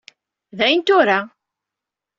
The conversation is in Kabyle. D ayen tura.